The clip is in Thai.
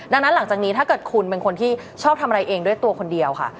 ดังนั้นหลังจากนี้ถ้าเกิดคุณเป็นคนที่ชอบทำอะไรเองด้วยตัวคนเดียวค่ะ